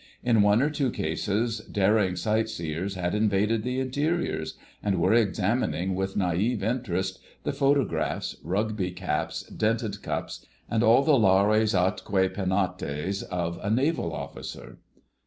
In one or two cases daring sightseers had invaded the interiors, and were examining with naïve interest the photographs, Rugby caps, dented cups, and all the lares atque penates of a Naval Officer.